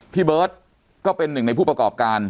พี่เบิร์ตก็เป็นหนึ่งในผู้ประกอบการ